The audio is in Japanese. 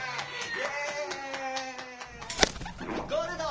ゴールド。